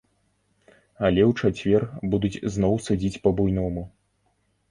Але ў чацвер будуць зноў судзіць па-буйному.